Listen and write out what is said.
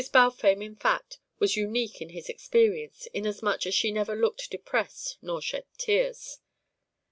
Balfame, in fact, was unique in his experience, inasmuch as she never looked depressed nor shed tears.